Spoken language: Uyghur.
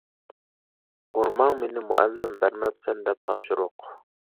ئۇرماڭ مېنى مۇئەللىم، بەرمەپسەن دەپ تاپشۇرۇق.